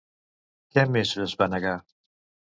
Què més es va negar?